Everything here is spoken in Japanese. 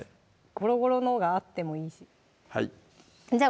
ゴロゴロのがあってもいいしじゃあ